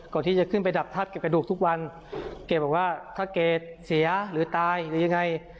ก่อนที่จะขึ้นไปดับทับกระดูกทุกวันเกรดบอกว่าถ้าเกรดเสียหรือตายหรือยังไง